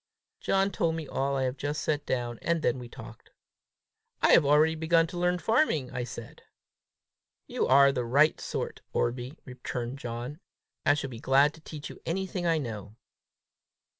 John told me all I have just set down, and then we talked. "I have already begun to learn farming," I said. "You are the right sort, Orbie!" returned John. "I shall be glad to teach you anything I know."